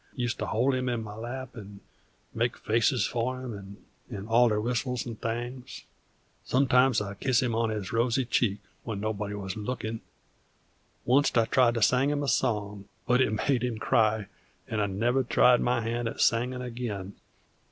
Used to hold him in my lap 'nd make faces for him 'nd alder whistles 'nd things; sometimes I'd kiss him on his rosy cheek, when nobody wuz lookin'; oncet I tried to sing him a song, but it made him cry, 'nd I never tried my hand at singin' again.